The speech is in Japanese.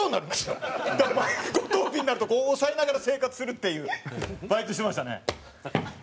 だから毎五十日になるとこう押さえながら生活するっていうバイトしてましたね。